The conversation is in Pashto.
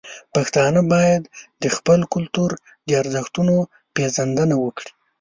پښتانه باید د خپل کلتور د ارزښتونو پیژندنه وکړي.